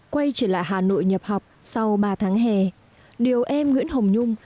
quay trở lại hà nội nhập học sau ba tháng hè điều em nguyễn hồng nhung